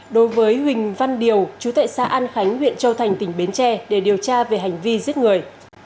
đối với huỳnh văn điều chú tệ xã an khánh huyện châu thành tỉnh bến tre để điều tra về hành vi giết người